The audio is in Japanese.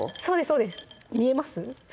そうです見えます？